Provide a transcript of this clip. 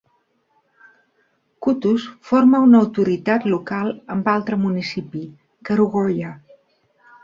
Kutus forma una autoritat local amb altre municipi, Kerugoya.